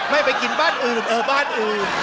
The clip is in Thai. ไม่ไปกินบ้านอื่นเออบ้านอื่น